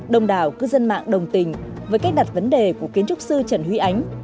đồng đảo cư dân mạng đồng tình với cách đặt vấn đề của kiến trúc sư trần huy ánh